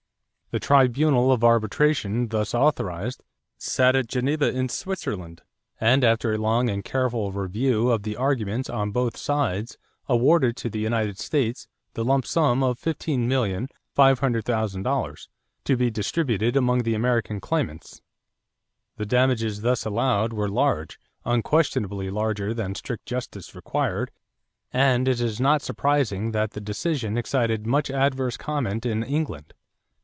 The tribunal of arbitration thus authorized sat at Geneva in Switzerland, and after a long and careful review of the arguments on both sides awarded to the United States the lump sum of $15,500,000 to be distributed among the American claimants. The damages thus allowed were large, unquestionably larger than strict justice required and it is not surprising that the decision excited much adverse comment in England.